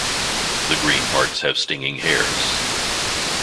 The green parts have stinging hairs.